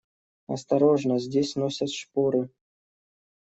Осторожно, здесь носят шпоры.